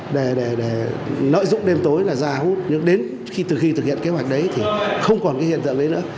để lợi dụng đêm tối là ra hút nhưng đến từ khi thực hiện kế hoạch đấy thì không còn hiện tượng đấy nữa